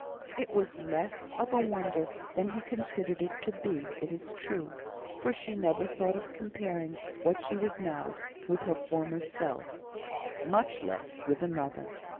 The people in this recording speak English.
It was less of a wonder than he considered it to be, it is true, for she never thought of comparing what she was now with her former self, much less with another.